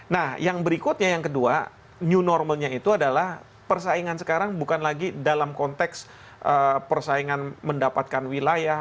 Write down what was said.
nah yang berikutnya yang kedua new normalnya itu adalah persaingan sekarang bukan lagi dalam konteks persaingan mendapatkan wilayah